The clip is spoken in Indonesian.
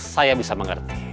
saya bisa mengerti